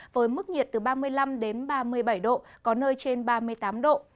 với mức nhiệt từ ba mươi năm đến ba mươi bảy độ có nơi trên ba mươi tám độ